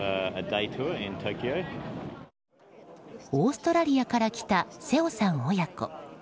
オーストラリアから来たセオさん親子。